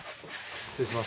失礼します